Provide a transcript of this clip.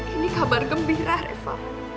ini kabar gembira reva